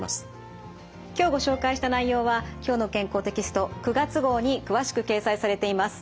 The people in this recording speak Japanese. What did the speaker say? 今日ご紹介した内容は「きょうの健康」テキスト９月号に詳しく掲載されています。